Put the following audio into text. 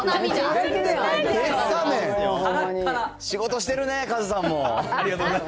仕事してるね、カズさんも。